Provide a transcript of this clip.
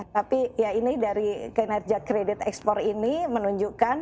tapi ya ini dari kinerja kredit ekspor ini menunjukkan